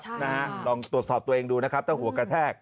ใช่นะฮะลองตรวจสอบตัวเองดูนะครับถ้าหัวกระแทก